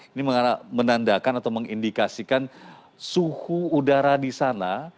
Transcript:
ini menandakan atau mengindikasikan suhu udara di sana